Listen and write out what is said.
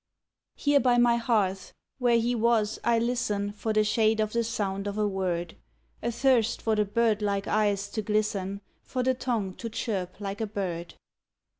Here by my hearth where he was I listen For the shade of the sound of a word, Athirst for the birdlike eyes to glisten, For the tongue to chirp like a bird.